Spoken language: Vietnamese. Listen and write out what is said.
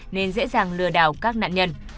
nên dễ dàng lừa đảo các nạn nhân